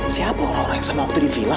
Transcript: siapa orang yang sama aku di villa